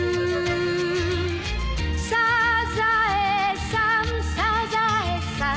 「サザエさんサザエさん」